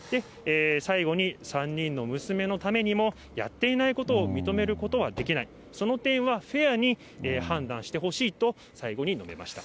最後に３人の娘のためにも、やっていないことを認めることはできない、その点はフェアに判断してほしいと最後に述べました。